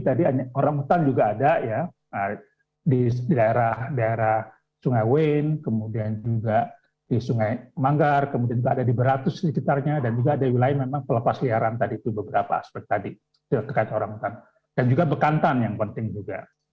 ada wilayah memang pelepas liaran tadi itu beberapa aspek tadi dan juga bekantan yang penting juga